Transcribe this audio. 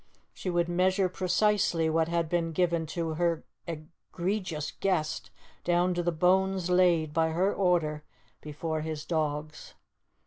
She would measure precisely what had been given to her egregious guest, down to the bones laid, by her order, before his dogs.